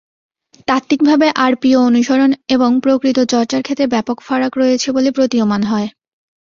তাত্ত্বিকভাবে আরপিও অনুসরণ এবং প্রকৃত চর্চার ক্ষেত্রে ব্যাপক ফারাক রয়েছে বলে প্রতীয়মান হয়।